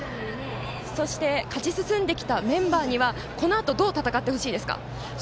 そして、勝ち進んできたメンバーには、このあとどう戦ってほしいですか？